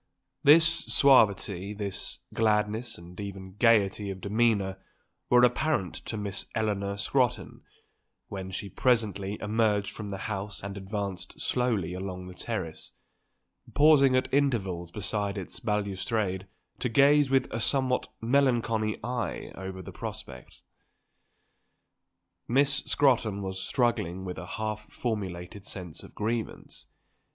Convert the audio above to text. This suavity, this gladness and even gaiety of demeanour were apparent to Miss Eleanor Scrotton when she presently emerged from the house and advanced slowly along the terrace, pausing at intervals beside its balustrade to gaze with a somewhat melancholy eye over the prospect. Miss Scrotton was struggling with a half formulated sense of grievance.